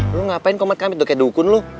lu ngapain komat kami tuh kayak dukun lu